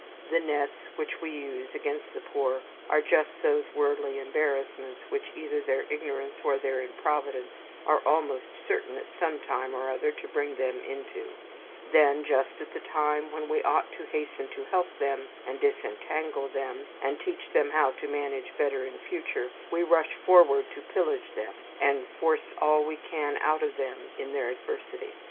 The nets which we use against the poor are just those worldly embarrassments which either their ignorance or their improvidence are almost certain at some time or other to bring them into: then, just at the time when we ought to hasten to help them, and disentangle them, and teach them how to manage better in future, we rush forward to pillage them, and force all we can out of them in their adversity.